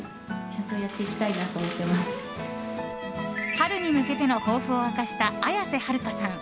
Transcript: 春に向けての抱負を明かした綾瀬はるかさん。